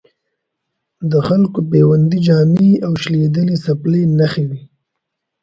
د خلکو بیوندي جامې او شلېدلې څپلۍ نښې وې.